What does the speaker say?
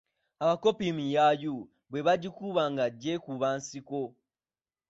Abakopi miyaayu, bwe bagiyita nga gye kuba nsiko.